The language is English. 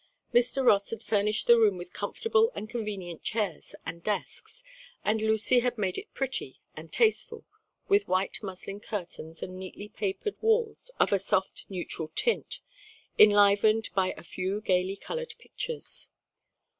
Mr. Ross had furnished the room with comfortable and convenient chairs and desks, and Lucy had made it pretty and tasteful with white muslin curtains and neatly papered walls of a soft neutral tint, enlivened by a few gayly colored pictures.